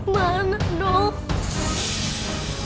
ma enak dong